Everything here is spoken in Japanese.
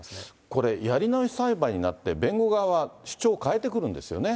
これ、やり直し裁判になって、弁護側は主張変えてくるんですよね。